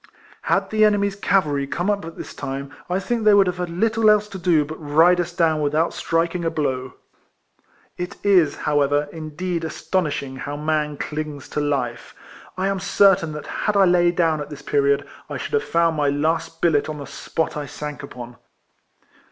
Had the enemy's cavalry come up at this time I think they would have had little else to do but ride us down without striking a blow. It is, however, indeed astonishing how man clings to life. I am certain that had I lain down at this period, I should have found my last billet on the spot I sank upon.